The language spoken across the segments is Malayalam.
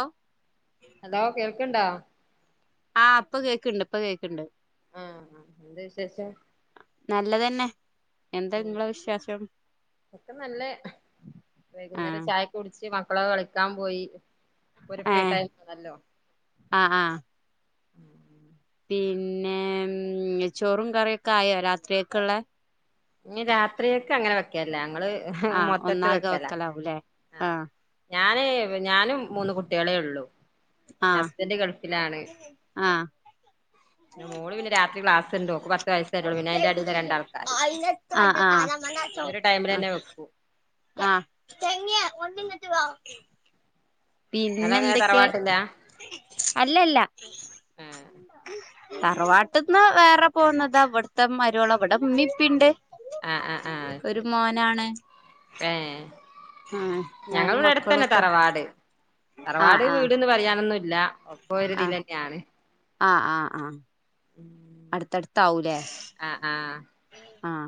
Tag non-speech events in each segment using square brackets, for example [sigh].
ആഹ് ഹലോ കേൾക്ക്‌ണ്ടോ ആഹ് പ്പ കേക്കണ്ട് ഇപ്പ കേക്കണ്ട് ആഹ് ആഹ് എന്ത് വിശേഷം നല്ലതന്നെ എന്താ ഉം നിങ്ങളെ വിശേഷം ഇപ്പം നല്ലെ ആ വൈകുന്നേരം ചായ കുടിച്ച് മക്കള് കളിക്കാൻ പോയി ഒര് ഫ്രീ ടൈം ആണല്ലോ ആഹ് ആഹ് പിന്നെ ചോറും കറിയൊക്കായോ രാത്രിയൊ ക്കൊള്ളെ ഞ്ഞി രാത്രിയൊക്ക്‌ അങ്ങനെ വെക്കല്ല ഞങ്ങള് ആ മൊത്തിത്ത് ഒന്നാകെ വെക്കലാ വെക്കലാവുംല്ലേ ആ ആഹ് ഞാനേ ഞാനും മൂന്ന് കുട്ടികളെള്ളൂ ആ ഹസ്ബന്റ് ഗൾഫിലാണ് ആ പിന്നെ മോള് പിന്നെ രാത്രി ക്ലാസ്ണ്ട്ഓക്ക് പത്ത് വയസ്സായിട്ടൊള്ളൂ പിന്നെ അയ്ന്റെ എടെല് രണ്ടാൾക്കാ ആഹ് ആഹ് തന്നെ ആഹ് വെക്കും ആഹ് പിന്നെ നിങ്ങളെങ്ങനെ എന്തൊക്കെ തറവാട്ടിലാ അല്ലല്ല ആഹ് തറവാട്ട്ന്ന് വേറെ പോന്നതാ അവ്ടുത്തെ മര്വോള അവ്ടെ ഉമ്മീംപ്പീണ്ട് ഒരു മോനാണ്. ഏ ആ ഞാനും ഞങ്ങളവ്ടട്ത്തന്നെ മക്കളൊക്കെണ്ട് തറവാട് ആ തറവാട് ആ വീട്ന്ന് പറയാനൊന്നുംല്ല ആ ഒക്കെഒര്തിലന്നെയാണ്. ആഹ് ആഹ് ഉം അട്ത്തട്ത്താവൂലേ ആഹ് ആഹ് ആഹ്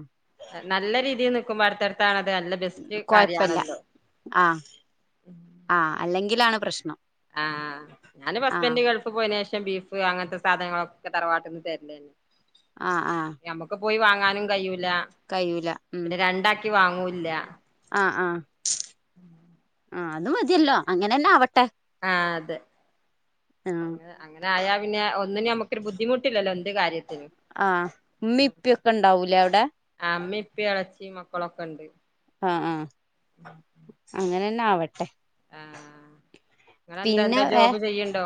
നല്ല രീതിനിക്ക്‌മ്പോ അട്ത്തട്ത്താണത് നല്ല ബെസ്റ്റ് കൊഴപ്പല്ല കാര്യമാണല്ലോ ആഹ് ആഹ് അല്ലെങ്കിലാണ് പ്രശ്നം. ആഹ് ഞാന്പ്പ ആഹ് ഹസ്ബന്റ് ഗൾഫിപോയനേഷം ബീഫ് അങ്ങനത്തെ സാധനങ്ങളൊക്കെ തറവാട്ട്ന്ന് തെരലെയ്ന്നു ആഹ് ആഹ് ഞമ്മക്ക് പോയി വാങ്ങാനും കയ്യൂല കയ്യൂല ഉം പിന്നെ രണ്ടാക്കി വാങ്ങൂല്ല ആഹ് ആഹ് ആഹ് അത് മതിയല്ലോ അങ്ങനന്നെ ആവട്ടെ ആഹ് അതെ. ആഹ് അങ്ങനായാ പിന്നെ ഒന്നിനും ഞമ്മക്കൊര് ബുദ്ധിമുട്ടില്ലല്ലോ എന്ത് കാര്യത്തിനും ആഹ് ഉമ്മീം ഉം ഇപ്പൊക്കെണ്ടാവൂലേ അവ്ടെ ആഹ് ഉമ്മേ ഇപ്പേ എളച്ചിം മക്കളൊക്കെണ്ട് ആഹ് ആഹ് അങ്ങനന്നെ ആവട്ടെ. നിങ്ങളെ ന്താ പിന്നെ എന്താ വേ ജോബ് ചെയ്യണ്ടോ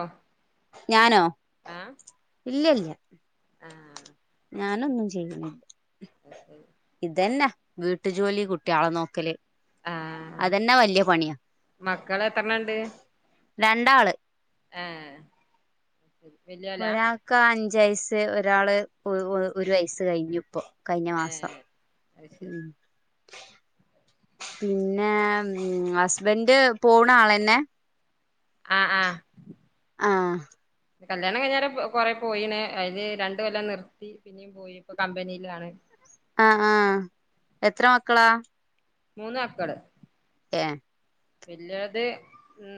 ഞാനോ ഇല്ലല്ല ആഹ് ഞാനൊന്നും ചെയ്യുന്നില്ല ന ശരി ഇതന്നെ വീട്ടു ജോലി കുട്ട്യേളെ നോക്കല് ആഹ് അതന്നെ വല്യപണിയാ മക്കള് എത്രണ്ണണ്ട് രണ്ടാള് ഏഹ് വല്യ ഒരാൾക്ക് അഞ്ച വയസ്സ് ഒരാള് ഒരു വയസ്സ് കഴിഞ്ഞു ഇപ്പൊ കഴിഞ്ഞ മാസം ഏഹ് അത് ശരി ഉം പിന്നെ ഹസ്ബന്ഡ് പോണ ആളെന്നെ ആഹ്‌ആ ഹ് ആ ഹ് കല്യാണം കഞ്ഞേര കൊ കൊറെ പോയിണ് അതില് രണ്ടു കൊല്ലം നിർത്തി പിന്നെയും പോയി ഇപ്പ കമ്പനിയിലാണ് ആഹ് ആഹ് എത്ര മക്കളാ മൂന്നക്കള് ഏഹ് വല്ല്യോൾത്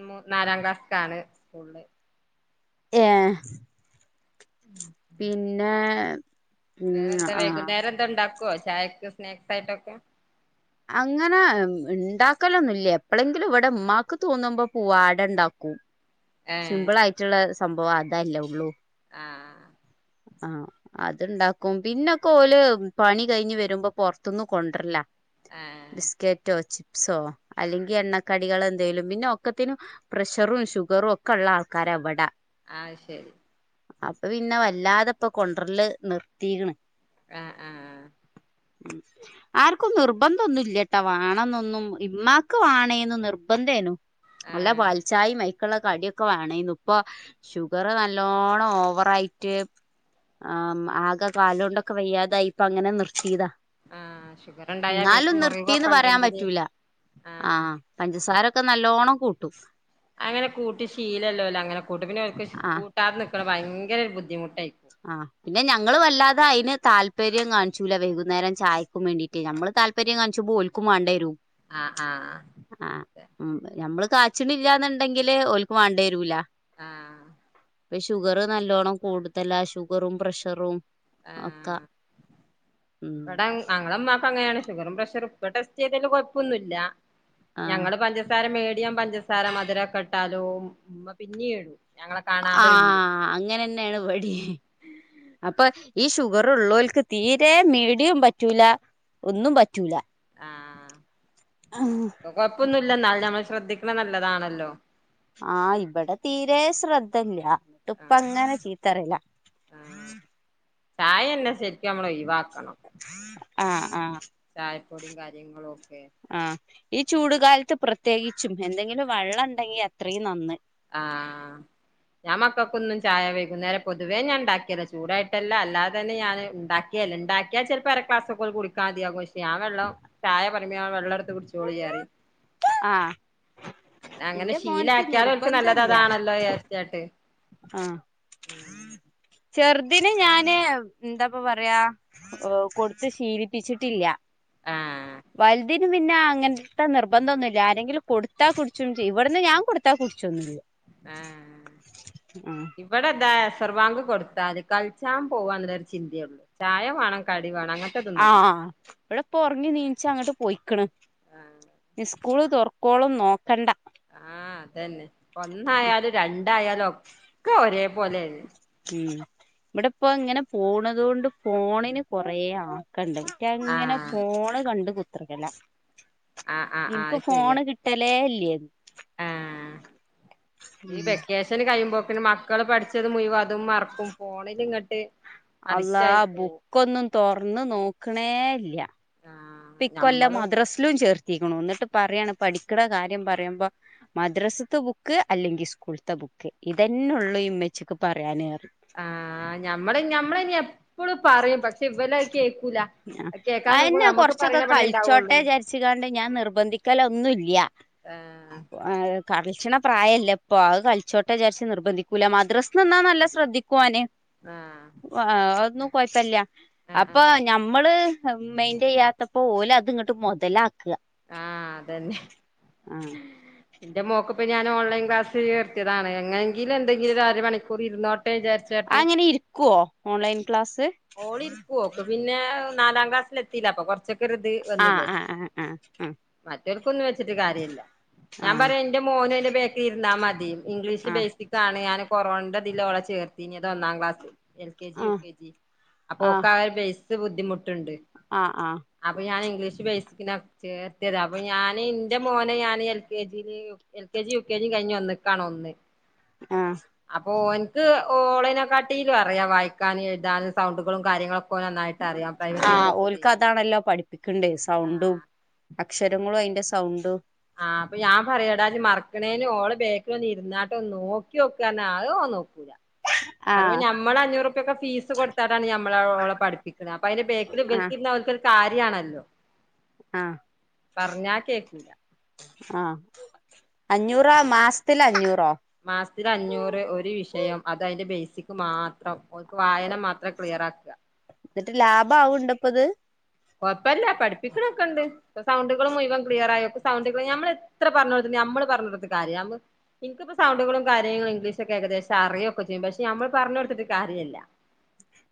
മൂ നാലാം ക്ലാസ്ക്കാണ് സ്കൂളില് ഏഹ് ഉം [unintelligible] [unintelligible] പിന്നെ വേറെ ഉം എന്താ ആഹ് വേഗും നേരെ എന്താ ണ്ടാക്കുവോ ചായക്കെ സ്നാക്സ് ആയിട്ടൊക്കെ അങ്ങനെ ണ്ടാക്കലൊന്നുമല്ല എപ്പളെങ്കിലും ഇവിടെ ഉമ്മാക്ക് തോന്നുമ്പോ പൂവാടെണ്ടാക്കും ഏഹ് റ്റുള്ള സംഭവം അതാല്ലേ ഉള്ളൂ ആഹ് ആഹ് അത്ണ്ടാക്കും പിന്നൊക്കെ ഓല് പണി കഴിഞ്ഞ് വരുമ്പോ പുൊറത്തൊന്നും കൊണ്ടര്ല്ല ആഹ് ബിസ്ക്കെറ്റൊ ച് പ്സോ അല്ലെങ്കിൽ എണ്ണക്കടികളെന്തേലും പിന്നെ ഒക്കത്തിന് പ്രഷറും ഷുഗറും ഒ ക്കള്ള ആൾക്കരാവടെ ആഹ് ശരി അപ്പൊ പിന്നെ വല്ലാതെപ്പൊ കൊണ്ടറല് നിർത്തിക്ണ് ആഹ് ആഹ് ഉം ആർക്കും നിർബന്ധംന്നുംല്ലേട്ടാ വേണെന്നൊന്നും ഉമമാക്ക് വണേന്ന് നിർബന്ധേനു അല്ല ആഹ് പാൽച്ചായിം മൈക്ള്ള കാടിയൊ ക്ക വേണെന്നു ഇപ്പൊ ഷുഗർ നല്ലോണം ഓവറയിട്ട് ആഹ് ആകെ കാലോണ്ടൊക്കെ വയ്യാതായിപ്പ അങ്ങനെ നിർത്തിയതാ ആഹ് ഷുഗർ ഉണ്ടായാ ന്നാലും പിന്നെ നിർത്തിന്ന് മുറിവൊക്കെ പറയാൻ ഉണ്ടെങ്കില് പറ്റൂല ആഹ് പഞ്ചസാരൊക്കെ നല്ലോണം കൂട്ടും അങ്ങനെ കൂട്ടി ശീലല്ലോല് അങ്ങനെ കൂട്ട് പിന്നെ ഒക്ക് ആഹ് കൂട്ടാതെ നിൽക്കണ ഭയങ്കര ഒരു ബുദ്ധിമുട്ടായി ആഹ് പിന്നെ ഞങ്ങള് വല്ലാതെ അയ്ന് താല്പര്യം കാണിച്ചൂല വൈകുന്നേരം ചായക്കും വേണ്ടീട്ട് മ്മള് ത പര്യം കാൺചുമ്പം ഓൽക്കും വേണ്ടേരും ആഹ് ആഹ് അഹ് ആഹ് ഉം നമ്മള് കാച്ചിണ്ല്ല്യാ ന്നുണ്ടെങ്കില് ഓൽക്ക് വേണ്ടിരൂല ആഹ് ഇപ്പ ഷുഗറ് നല്ലോണം കൂടുതല ഷുഗറും പ്രഷറും ആഹ ഒക്കെ ഉം ഇവിട ഞങ്ങളമാക്ക അങ്ങനെയാണ് ഷുഗറും പ്രഷറും ഇപോടെസ്റ്റ് ചെയ്തല് കുഴപ്പൊന്നുമില്ല ഞ ആഹ് പ പഞ്ചസാര മേടിയ പഞ്ചസാര മധുരക്കെട്ടാലോ ഉമ്മ പിന്നെയിടും ആഹ അങ്ങനെന്നെയാണ് ഇവടിം അപ്പൊ ഈ ഷുഗർ ഉള്ളൊർക്ക് തീരെ മീടിയും പറ്റൂല ഒന്നും പറ്റൂല ആഹ് കൊഴപ്പൊന്നുമില്ല ന്നാലുംനമ്മള് ശ്രദ്ധിക്കണ നല്ലതാണല്ലോ ആഹ് ഇവിടെ തീരെ ശ്രദ്ധല്ല ഇപ്പ അങ്ങനെ ചീത്തറില്ല ആ ചായ എന്നാ ശരിക്കമ്മൾ ഒഴിവാക്കണം ആഹ് ആഹ് ചായപ്പൊടിയും കാര്യങ്ങളും ഒക്കെ ആ ഈ ചൂടുകാലത്ത് പ്രത്യേകിച്ചും എന്തെങ്കിലും വെള്ളം ഉണ്ടെങ്കി അത്രയും നന്ന്. ആഹ് ഞാൻ മക്കക്കൊന്നും ചായ വൈകുന്നരം പൊതുവേ ഞാൻണ്ടാക്കല്ല ചൂടായിട്ടല്ല അല്ലാതെന്നെ ഞാന് ഉണ്ടാക്കി ണ്ടാക്കിയാ ചിലപ്പോ അര ക്ലാസൊക്കെ കൊൽകുടിക്കതിയാ ഞ വെള്ളം ചായ പറമ്പേ വെള്ളം എടുത്ത് കുടിച്ചോളി പറിയം ആഹ്. എന്റെ മോൻക്ക് നിർബന്ധല്ല്യാ ദയാർച്ചാട്ട് ആഹ് ചെറുദന് ഞാന് എന്താപ്പ പറയാ കൊടുത്ത് ശീലിപ്പിച്ചിട്ടില്ല ആഹ് വല് അതിന് പിന്നെ അങ്ങനത്തെ നിർബന്ധം ഒന്നൂല്ല ആരെങ്കിലും കൊടുത്താ കുടിച്ചും ചെയ്യം ഇവിടുന്ന് ഞാൻ കൊടുത്താ കുടിച്ചൊന്നില്ല. ആഹ ആഹ ഇവിടെ താ അസർവാങ്ക് കൊടുത്താൽല് കളിച്ചാൻ പോവാ എന്നുള്ളരു ചിന്തയള്ളൂ ചായ വേണം കടി വേണം അങ്ങനത്തെതൊന്നുല്ല ആഹ് വിടെ ഇപ്പൊ ഉറങ്ങി നീനച്ച അങ്ങോട്ട് പോയിക്കണ് ആഹ് സ്കൂള് തുറക്കോളും നോക്കണ്ട ആഹ് അതന്നെ ഒന്നായാലും രണ്ടായാലും ഒക്കെ ഒരേ പോലെ ഉം ഇവിടെ ഇപ്പോ ഇങ്ങനെ പോണത് കൊണ്ട് ഫോണിന് കൊറെ ആ കണ്ട് ക്കങ്ങനെ ആഹ് ഫോണ് കണ്ട് കുത്തിക്കല ആഹ് ആഹ് ആഹ് നിനക്ക് ഫോണ് കിട്ട ടലെ ഇല്ലൃഞ് ആഹ ഈ വെക്കെഷ ചിലകഴിയുമ്പോകിന് മക്കള് പഠിച്ചത് മുഴുവം അതും മറപ്പും ഫോണിലിങ്ങട്ട്. അല്ലാ ആ ബുക്കൊന്നും തുറന്ന് നോക്കണേ ഇല്ല ആഹ് ഇപ്പ ഇക്കൊല്ലം ഞമ്മള് മദ്രാസിലും ചേർത്തിക്കുണു എന്നിട്ട് പറയാണ് പഠിക്കണ കാര്യം പറയുമ്പോ മദ്രസത്തെ ബുക്ക് അല്ലെങ്കിൽ സ്കൂളത്തെ ബുക്ക് ഇതന്നെള്ളു ഈ ഉമ്മച്ചിക്ക് പറയാന് ആഹ് ഞമ്മള് ഞമ്മള ഇനി എപ്പഴും പറയും പക്ഷെ ഇവലത് കേക്കൂല അത് കേക്കാൻ നിക്കുമ്പോ അന്നെ നമ്മക്ക് കൊറച്ചൊക്കെ പറയണ പണിയേ ഇണ്ടാവുള്ളൂ കളിച്ചോട്ടെചാരിച്ച കാണ്ട് ഞാൻ നിർബന്ധിക്കല ഒന്നൂല്ല്യ ആഹ അഹ് കളിച്ചണ പ്രായല്ല ഇപ്പൊ അത് കളിച്ചോട്ട വിചാരിച്ച് നിർബന്ധിക്കൂല്ല മദ്രസ്ന്നാ നല്ല ശ്രദ്ധിക്ക കുവോന് ആഹ ഒന്നും കൊഴപ്പില്ല അപ്പൊ ആഹ് ഞമ്മള് മെയിന്റെയ്യാത്തപ്പോ ഓല് അത്ങ്ങട്ട് മുതലാകും ആഹ് അതന്നെ ആ എന്റെ മോക്കപ്പൊ ഞാൻ ഓൺലൈൻ ക്ലാസിൽ ചേർത്തിയതാണ് എങ്ങെങ്കിലും എന്തെങ്കിലും ഒരുരമണികൂർ ഇരുന്നോട്ട ആഹ് അങ്ങനെ ഇരിക്കുവോ, ഓൺലൈൻ ക്ലാസ്. ഓള് ഇരിക്കുവോ, ഓക്കു പിന്നെ നാലാം ക്ലാസ്സിൽ എത്തിയില്ലേ അപ്പൊ കുറച്ച്. ആഹ് ആഹ് ആഹ് ആഹ് ഉം. മറ്റവർക്കൊന്നും വെച്ചിട്ട് കാര്യയില്ല, ഞാൻ ആഹ് പറയാം എന്റെ മോനും എന്റെ ബാക്കിൽ ഇരന്നാൽ മതിന്ന്. ഇംഗ്ലീഷ് ആഹ് ബേസിക് ആണ്, ഞാന് കൊറോന്റെ ഇതില് ഓള് ചേർത്തിനി, അത് ഒന്നാം class. L K G, U ആഹ് കെ ജി അപ്പൊ ഓക് ആഹ് ഒരു ബേസ് ബുദ്ധിമുട്ടുണ്ട്. ആഹ് ആഹ് അപ്പൊ ഞാൻ ഇംഗ്ലീഷ് ബേസിക്കിന് ചേർത്തിതാ, അപ്പൊ ഞാൻ ഇന്റെ മോനെ ഞാന്. എൽ കെ ജി യിലെ L K G, U K G കഴിഞ്ഞു ഒന്നക്കണോ ഒന്ന്. ആഹ് അപ്പൊ ഓനിക്ക് ഓളിനെ കാട്ടിലും അറിയാം വായിക്കാനും, എഴുതാനും സൗണ്ടുകളും കാര്യങ്ങളൊക്കെ. ഓന് നന്നായിട്ട് അറിയാം പ്രൈവറ്റ് ആഹ്, ഓലുക്ക് ചേർത്തിട്ടേനി അതാണല്ലോ പഠിപ്പിക്കണ്ടേ ആഹ് സൗണ്ടും. അക്ഷരങ്ങളും അതിന്റെ സൗണ്ടും. ആഹ് അപ്പൊ ഞാൻ പറയുടാ നീ മറക്കണേന് ഓള് ബാക്കിൽ ഒന്ന് ഇരുന്നാട്ടെ ഒന്ന് നോക്കി നോക്കാനോ ഏഹ് അവൻ നോക്കൂല. പറയുമ്പോ ആഹ് ഞമ്മള് അഞ്ഞൂറുപ്യോക്കെ ഫീസ് കൊടുത്തട്ടാണ് ഞമ്മളോളെ പഠിപ്പിക്കുന്നു, അപ്പ അതിന്റെ ബാക്കിൽ ആഹ് ഇവളിക്കിരിന്നാൽ ഓൽക്കൊരു. കാര്യമാണല്ലോ ആഹ് കേക്കൂല. ആഹ്, അഞ്ഞൂറോ മാസത്തിൽ അഞ്ഞൂറോ? മാസത്തിൽ അഞ്ഞൂറ് ഒരു വിഷയം അത് അതിന്റെ ബേസിക് മാത്രം ഓക് വായന മാത്രം ക്ലിയർ ആക്കുക. എന്നിട്ട് ലാഭം ആവുണ്ടോ ഇപ്പൊ ഇത്. കൊഴപ്പില്ല പഠിപ്പിക്കണൊക്കെ ഇണ്ട്. ഇപ്പൊ സൗണ്ടുകളും മുഴുവൻ ക്ലിയർ അയക്കും, സൗണ്ടുകളും ഞമ്മൾ എത്ര പറഞ്ഞു കൊടുത്തിട്ടും നമ്മള് പറഞ്ഞു കൊടുത്തിട്ട് കാര്യമില്ല. എനിക്കിപ്പൊ സൗണ്ടുകളും കാര്യങ്ങളും ഇംഗ്ലീഷ് ഒക്കെ ഏകദേശം അറിയുമൊക്കെ ചെയ്യും, പക്ഷെ നമ്മള് പറഞ്ഞു കൊടുത്തിട്ട് കാര്യയില്ല.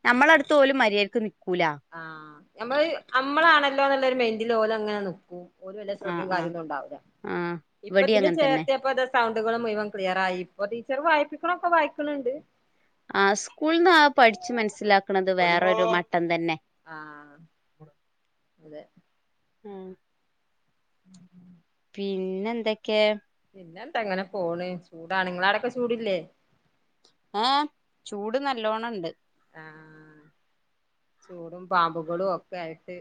നമ്മള് അടുത്ത് പോലും മര്യാദക്ക് നിക്കൂല. ആഹ്, നമ്മള് നമ്മളാണല്ലോ ഉള്ളൊരു മെന്റില് ഓല് അങ്ങനെ നിക്കൂ. ഓര് വെല്ല്യ ആഹ് ശ്രദ്ധയും ആഹ് കാര്യമൊന്നും ഉണ്ടാവില്ല, ആഹ് ഇപ്പൊ ഇവടിം ഇതില് അങ്ങനെ തന്നെ ചേർത്തിയിപ്പോ. സൗണ്ടുകളും മുഴുവൻ ക്ലിയർ ആയി, ഇപ്പൊ ടീച്ചർ വായിപ്പിക്കേണ് ഒക്കെ വായിക്കേണുണ്ട്. ആഹ് സ്കൂളിന്ന് ആകെ പഠിച്ചു മനസ്സിലാക്കണത് വേറൊരു മട്ടം തന്നെ. ആഹ് അതെ ഉം ഉം പിന്നെ എന്തൊക്കെയോ? പിന്നെ എന്താ ഇങ്ങനെ പോണ് ചൂടാണ് നിങ്ങടെ അവിടുയൊക്കെ ചൂടല്ലേ? ആഹ് ചൂട് നല്ലോണം ഉണ്ട്. ആഹ് ചൂടും പാമ്പുകളും ഒക്കെ ആയിട്ട്.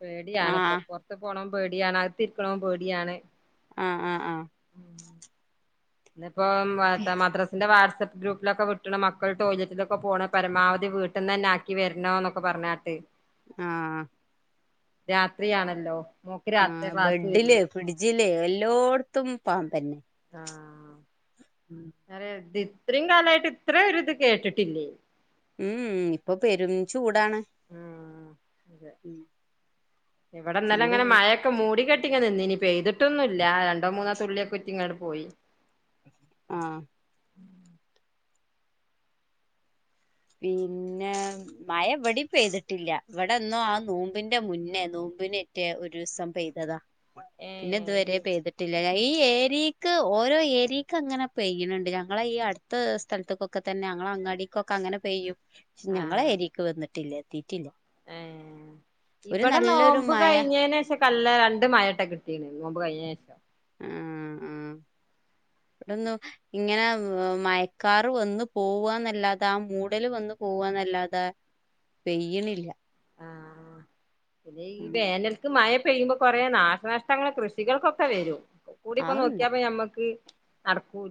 പേടിയാണ് ഇപ്പൊ ആഹ് പുറത്ത് പോന്ന് പേടിയാണ്, അകത്തിരിക്കാന് പേടിയാണ്. ആഹ് ആഹ് ആഹ് ഇന്ന് ഇപ്പൊ. [unintelligible] എന്റെ വാട്സ്ആപ്പ് ഗ്രൂപ്പിലൊക്കെ വിട്ടണം മക്കൾ ടോയ്ലറ്റിലൊക്കെ പോണം പരമാവധി വീട്ടിന്ന് തന്നെ ആക്കി വരണോ എന്നൊക്കെ പറഞ്ഞി ട്ട് ആഹ് രാത്രിയാണല്ലോ ഓഹ്. ആഹ് ബെഡില്. പിടിച്ചില്ലേ എല്ലായിടത്തും പാമ്പ് തന്നെ. ഞാന് ഇത്രയും കാലമായിട്ട് ഇത്രയും ഒരു ഇത് കേട്ടിട്ടില്ലേ. ഉം ഇപ്പൊ പെരും ചൂടാണ് ഉം അതെ ഇവിടെന്നാലും ചൂട് അങ്ങനെ മഴ മൂടി കെട്ടിക്കെ നിന്നിനി പെയ്തിട്ടൊന്നുല്ല രണ്ടോ മൂന്നോ തുള്ളിയൊക്കെ കുറ്റിങ്ങാട് പോയി ആഹ് പിന്നെ മയ ഇവിടെ പെയ്തിട്ടില്ല ഇവിടെന്നോ ആ നൂമ്പിന്റെ മുന്നേ നൂമ്പിന് മറ്റേ ഒരുസം പെയ്തതാ പിന്നെ ഏഹ് ഇതുവരെ അയ്ശരി പെയ്തിട്ട് ട്ടില്ല ഈ ഏരിയക്ക് ഓരോ ഏരിയക്ക് അങ്ങനെ പെയ്യണിണ്ട് ഞങ്ങളെ ഈ അടു ത്ത് സ്ഥലത്ത്ക്കൊക്കെ തന്നെ അങ്ങള് അങ്ങാടിക്കൊക്കെ അങ്ങനെ പെയ്യും ഞങ്ങളെ ഏരിക്ക് വന്നിട്ടില്ല എത്തിട്ടില്ല ആഹ് ഇവിടെ നോമ്പ് മഴ കഴിഞ്ഞേനേഷം നല്ല രണ്ട് മയാട്ടെ കിട്ടീരുന്നു നോമ്പ് കഴിഞ്ഞേഷം ആഹ് ആഹ് ഇവിടുന്ന് ഇങ്ങനെ മയക്കാറ് വന്നു പോവാന്നല്ലാതെ ആ മൂടല് വന്നു പോവാന്നല്ലാതെ പെയ്യിണില്ല ആഹ് പിന്നെ ഈ ഉം വേനൽ ക്ക് മയ പെയ്യുമ്പോ കൊറേ നാശനഷ്ടങ്ങൾ കൃഷികൾക്കൊക്കെ വരും കൂടി ഇപ്പൊ നോക്കിയാപ്പ അത്ണ്ടാവും ഞമ്മക്ക്. നടക്കൂല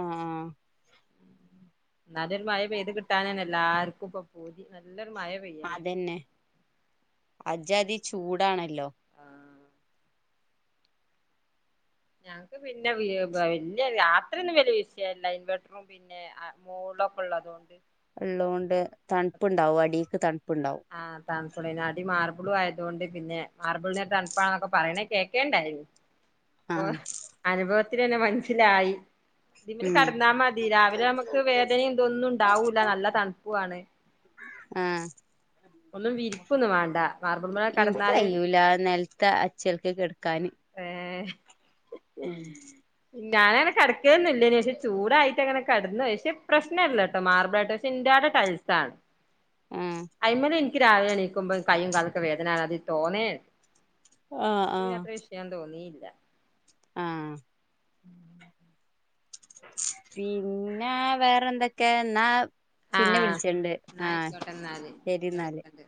ആഹ് ആഹ് നല്ലൊരു മയ പെയ്ത് കിട്ടാനന്നെ എല്ലാർക്കും ഇപ്പൊ പൂതി നല്ലൊരു മയ അതെന്നെ അജ്ജാദി ചൂടാണല്ലോ ആഹ് ഞങ്ങക്ക് പിന്നെ വല്ല്യ രാത്രിയൊന്നും വലിയ വിഷയല്ല ഇൻവെർട്ടറും പിന്നെ പിന്നെ ആ മോൾലൊക്കെ ഉള്ളതോണ്ട്. ഇള്ളോണ്ട് തണുപ്പുണ്ടാവും അടീക്ക് തണുപ്പ് ഇണ്ടാവും. ആ തണുപ്പുള്ളേന് അടി മാർബിളും ആയതോണ്ട് പിന്നെ മാർബിൾന് തണുപ്പാന്നൊക്കെ പറയണേ കേക്കേണ്ടാ അപ്പൊ ആഹ് അനുഭവത്തിലന്നെ മനസ്സിലായി ഇതില് ഉം കെടന്നാ മതി രാവിലെ നമുക്ക് വേദന ഇതൊന്നും ഇണ്ടാവൂല നല്ല തണുപ്പുവാണ്. ആഹ് ഒന്നും വിരിക്കൊന്നും വേണ്ട മാർബിൾമേൽ കടന്നാല് ഇൻക്കയ്യൂല നെൽ ക്ക അചേല്ക്ക് കെട്ക്കാന്. ഏഹ് ഞാനങ്ങനെ കിടക്കേന്നൊല്ലേനി പക്ഷെ ചൂടായിട്ട് അങ്ങനെ കെടനന്ന് പക്ഷെ പ്രശ്നല്ലട്ടോ മാർബിളായിട്ട്. ഇന്റാൻ്റെ ടൈൽസ് ആണ്. ആഹ് അയ്മേല് എനിക്ക് രാവിലെ എണീക്കുമ്പോ കയ്യും കാലൊക്കെ വേദനാണ് അത് തോന്നേ ആഹ് ആഹ് ക്കാൻ തോന്നിയില്ല. ആഹ് ഉം പിന്നെ വേറൊന്തൊക്കെ എന്നാ പിന്നെ ആഹ് വിളിച്ചണ്ട് ന്നാ ആഹ് ആയിക്കോട്ടെ ന്നാല് ശെരി ഞാൻ എന്നാല്. വിളിക്കണ്ട്